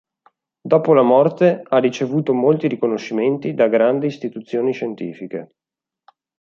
Dopo la morte ha ricevuto molti riconoscimenti da grandi istituzioni scientifiche.